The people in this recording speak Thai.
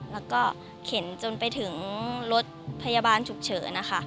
แล้วก็เข็นจนไปถึงรถพยาบาลฉุกเฉินนะคะ